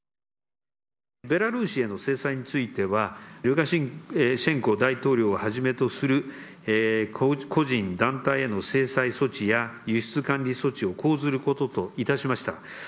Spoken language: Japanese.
ベラルーシへの制裁については、ルカシェンコ大統領をはじめとする個人、団体への制裁措置や、輸出管理措置を講ずることといたしました。